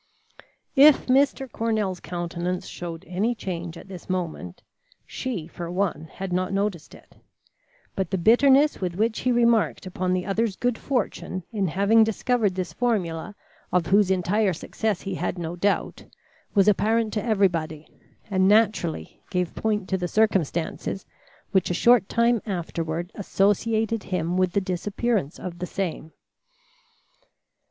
If Mr. Cornell's countenance showed any change at this moment, she for one had not noticed it; but the bitterness with which he remarked upon the other's good fortune in having discovered this formula of whose entire success he had no doubt, was apparent to everybody, and naturally gave point to the circumstances which a short time afterward associated him with the disappearance of the same.